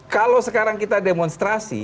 kalau sekarang kita demonstrasi